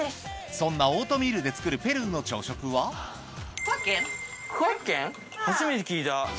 そんなオートミールで作るペルーの朝食は初めて聞いた。